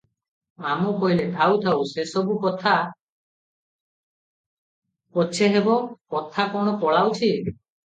"ମାମୁ କହିଲେ, "ଥାଉ ଥାଉ, ସେ ସବୁ କଥା ପଛେ ହେବ, କଥା କଣ ପଳାଉଛି?